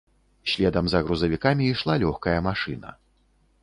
Следам за грузавікамі ішла лёгкая машына.